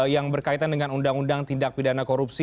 yang berkaitan dengan undang undang tindak pidana korupsi